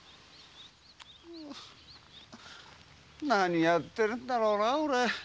何をやってるんだろうな俺。